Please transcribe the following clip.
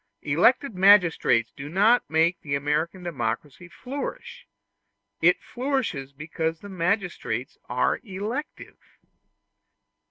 Elected magistrates do not make the American democracy flourish; it flourishes because the magistrates are elective.